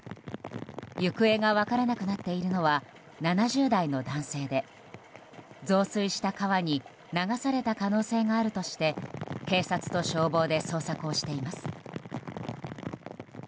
行方が分からなくなっているのは７０代の男性で増水した川に流された可能性があるとして警察と消防で捜索をしています。